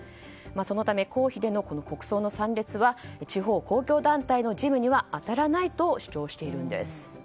そのため公費での国葬の参列は地方公共団体の事務には当たらないと主張しているんです。